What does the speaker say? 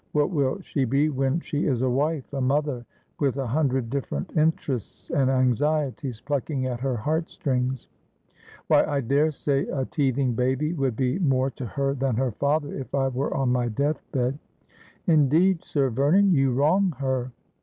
What will she be when she is a wife, a mother, with a hundred different interests and anxieties plucking at her heart strings? Why, I daresay a teething baby would be more to her than her father, if I were on my death bed.' ' Indeed, Sir Vernon, you wrong her.'